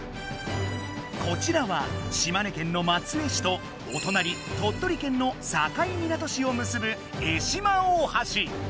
こちらは島根県の松江市とおとなり鳥取県の境港市をむすぶ江島大橋。